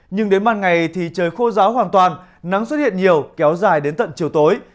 nhưng đến ban ngày thì trời khô giáo hoàn toàn nắng xuất hiện nhiều kéo dài đến tận chiều tối